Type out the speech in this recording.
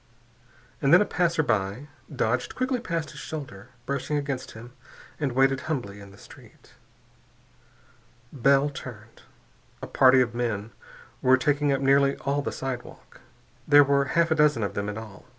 And then a passerby dodged quickly past his shoulder, brushing against him, and waited humbly in the street. Bell turned. A party of men were taking up nearly all the sidewalk. There were half a dozen of them in all.